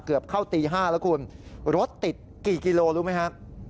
เกือบเข้าตี๕แล้วคุณรถติดกี่กิโลรู้ไหมครับ